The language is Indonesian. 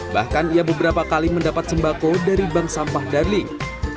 bahkan ia beberapa kali mendapat sembako dari bank sampah darling